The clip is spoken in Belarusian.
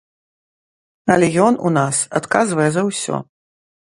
Але ён у нас адказвае за ўсё!